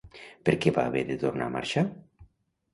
Per què va haver de tornar a marxar?